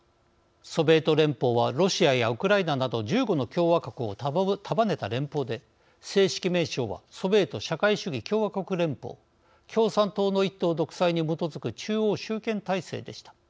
ソビエト連邦はロシアやウクライナなど１５の共和国を束ねた連邦で正式名称はソビエト社会主義共和国連邦共産党の一党独裁に基づく中央集権体制でした。